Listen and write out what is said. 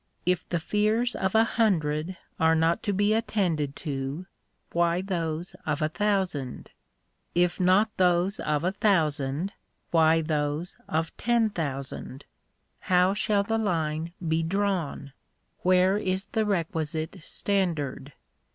If the fears of a hundred are not to be attended to, why those of a thousand ? If not those of a thousand, why those of ten thousand ? How shall the line be drawn ? where is the requisite standard